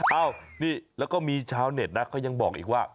เอ้านี่แล้วก็มีชาวเน็ตนะเขายังบอกอีกว่า